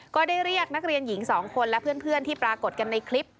ก็ได้เรียกนักเรียนหญิง๒คนและเพื่อนที่ปรากฏกันในคลิป